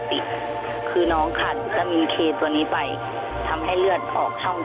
วันที่๔หมอบอกว่าน้องมีตอบพระน้องมากขึ้น